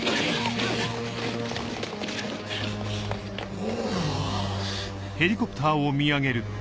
お！